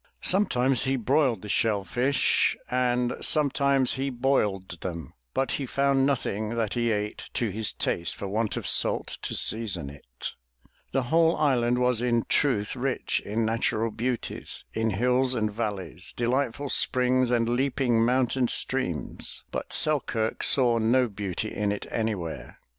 Sometimes he broiled the shell fish and some 332 THE TREASURE CHEST times he boiled them, but he found nothing that he ate to his taste for want of salt to season it. The whole island was in truth rich in natural beauties, in hills and valleys, delightful springs and leaping mountain streams, but Selkirk saw no beauty in it anywhere.